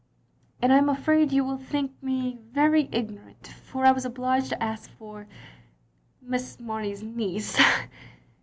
"And I am afraid you will think me very ignorant, for I was obliged to ask for * Miss Mamey's niece